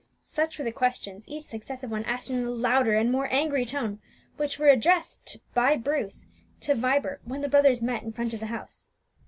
Such were the questions, each successive one asked in a louder and more angry tone, which were addressed by Bruce to Vibert when the brothers met in front of the house.